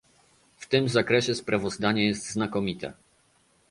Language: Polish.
W tym zakresie sprawozdanie jest znakomite